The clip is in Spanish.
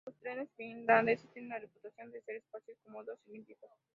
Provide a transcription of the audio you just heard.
Los trenes finlandeses tienen la reputación de ser espaciosos, cómodos y limpios.